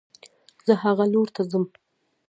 زه هغه لور ته ځم